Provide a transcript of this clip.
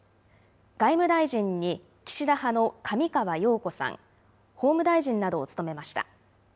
外務大臣に岸田派の上川陽子さん、法務大臣などを務めました。